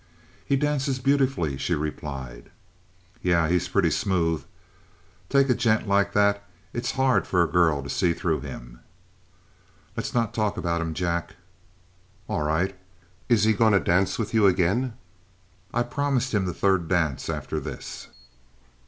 "He dances beautifully," she replied. "Yeh; he's pretty smooth. Take a gent like that, it's hard for a girl to see through him." "Let's not talk about him, Jack." "All right. Is he going to dance with you again?" "I promised him the third dance after this."